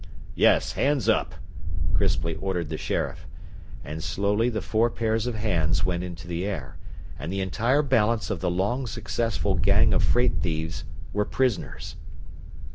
"Yes, hands up!" crisply ordered the sheriff. And slowly the four pairs of hands went into the air, and the entire balance of the long successful gang of freight thieves were prisoners.